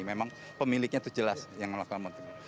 memang pemiliknya itu jelas yang melakukan motif